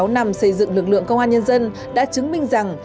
bảy mươi sáu năm xây dựng lực lượng công an nhân dân đã chứng minh rằng